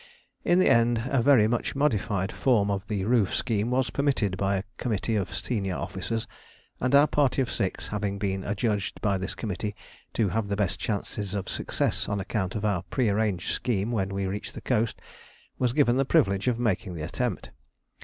In the end a very much modified form of the roof scheme was permitted by a committee of senior officers, and our party of six, having been adjudged by this committee to have the best chances of success on account of our prearranged scheme when we reached the coast, was given the privilege of making the attempt.